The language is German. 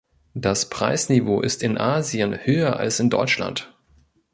Das Preisniveau ist in Asien höher als in Deutschland.